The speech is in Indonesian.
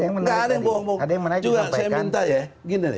gak ada yang bohong bohong